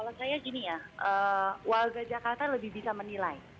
kalau saya gini ya warga jakarta lebih bisa menilai